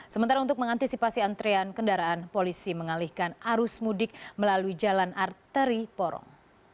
sementara untuk mengantisipasi antrean kendaraan polisi mengalihkan arus mudik melalui jalan arteri porong